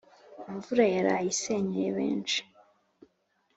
Imvura yaraye isenyeye benshi